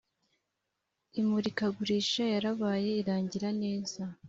imurikagurisha yarabaye irangira neza